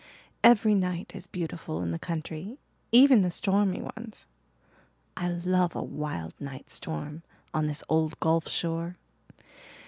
Every night is beautiful in the country even the stormy ones. I love a wild night storm on this old gulf shore.